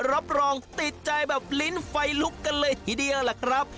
รับรองติดใจแบบลิ้นไฟลุกกันเลยทีเดียวล่ะครับ